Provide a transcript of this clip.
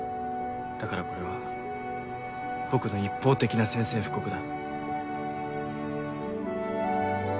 だからこれは僕の一方的な宣戦布告だ。